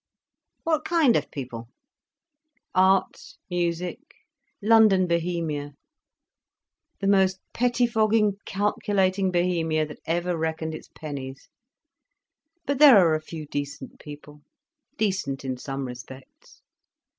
"What kind of people?" "Art—music—London Bohemia—the most pettifogging calculating Bohemia that ever reckoned its pennies. But there are a few decent people, decent in some respects.